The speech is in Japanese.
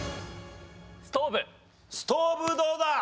ストーブどうだ？